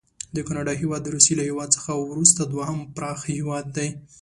د کاناډا هیواد د روسي له هیواد څخه وروسته دوهم پراخ هیواد دی.